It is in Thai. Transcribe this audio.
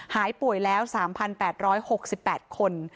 หายป่วยแล้ว๓๘๖๘คน